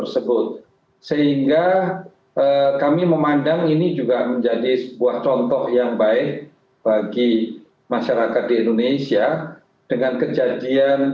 sehingga kami memandang ini juga menjadi sebuah contoh yang baik bagi masyarakat di indonesia dengan kejadian